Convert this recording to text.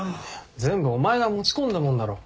全部お前が持ち込んだもんだろ。